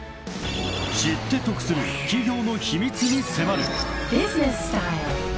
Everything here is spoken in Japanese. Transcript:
［知って得する企業の秘密に迫る］